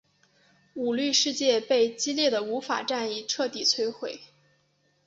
舞律世界被激烈的舞法战役彻底摧毁。